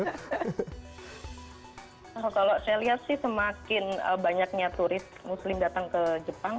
kalau saya lihat sih semakin banyaknya turis muslim datang ke jepang